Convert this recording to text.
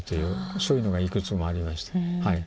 そういうのがいくつもありました。